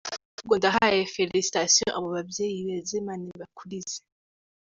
Ahubwo ndahaye félicitations abo babyeyi beza Imana ibakurize.